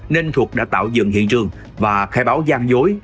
nên thuộc đã tạo dừng hiện trường và khai báo gian dối